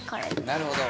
なるほど。